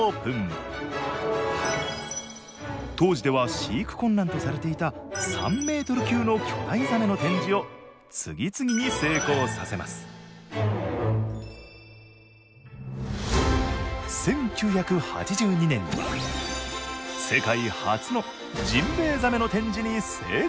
当時では飼育困難とされていた３ｍ級の巨大ザメの展示を次々に成功させます１９８２年には世界初のジンベエザメの展示に成功。